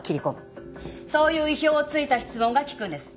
そういう意表を突いた質問が利くんです。